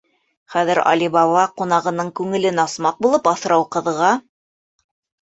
Хәҙер Али Баба, ҡунағының күңелен асмаҡ булып, аҫрау ҡыҙға: